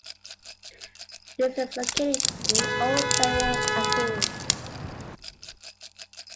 This is located in old Cerro Azul.